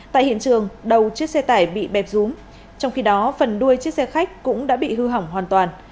tại hiện trường đầu chiếc xe tải bị bẹp rúm trong khi đó phần đuôi chiếc xe khách cũng đã bị hư hỏng hoàn toàn